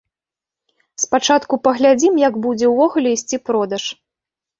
Спачатку паглядзім, як будзе ўвогуле ісці продаж.